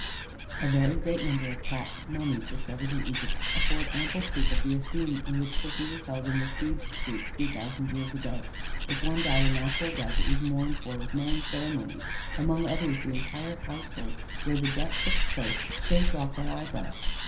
A very great number of Cats' mummies, discovered in Egypt, afford ample proof of the esteem in which Pussy was held in "Thebes' Streets Three Thousand Years Ago." If one died a natural death, it was mourned for with many ceremonies; among others the entire household, where the death took place, shaved off their eyebrows.